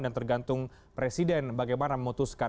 dan tergantung presiden bagaimana memutuskan